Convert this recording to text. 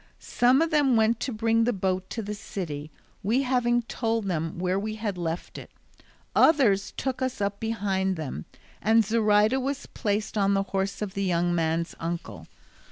Some of them went to bring the boat to the city, we having told them where we had left it; others took us up behind them, and Zoraida was placed on the horse of the young man's uncle.